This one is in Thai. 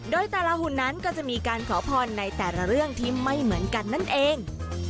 โดยแต่ละหุ่นนั้นก็จะมีการขอพรในแต่ละเรื่องที่ไม่เหมือนกันนั่นเอง